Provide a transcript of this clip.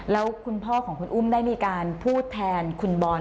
แล้วคุณพ่อของคุณอุ้มได้มีการพูดแทนคุณบอล